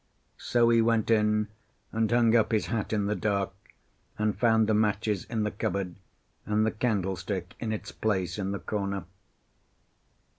So he went in, and hung up his hat in the dark, and found the matches in the cupboard and the candlestick in its place in the corner.